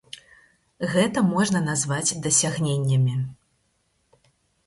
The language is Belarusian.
Гэта можна назваць дасягненнямі.